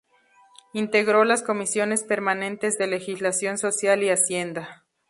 Integró las Comisiones permanentes de Legislación Social y Hacienda.